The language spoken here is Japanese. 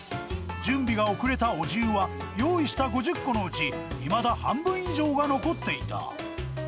準備が遅れたお重は、用意した５０個のうち、いまだ半分以上が残っていた。